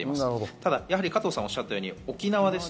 ただ加藤さんおっしゃったように沖縄です。